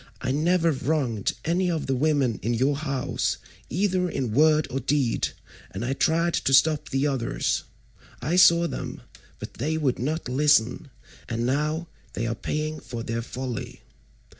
I never wronged any of the women in your house either in word or deed, and I tried to stop the others. I saw them, but they would not listen, and now they are paying for their folly.